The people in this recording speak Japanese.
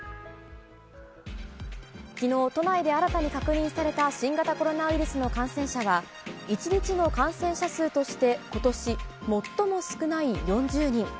昨日、都内で新たに確認された新型コロナウイルスの感染者は一日の感染者数として今年最も少ない４０人。